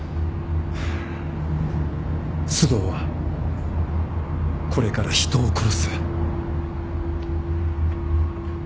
須藤はこれから人を殺す。